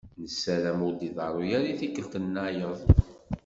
Nessaram ur d-iḍeṛṛu ara i tikkelt-nnayeḍ.